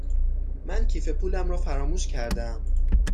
من کیف پولم را فراموش کرده ام.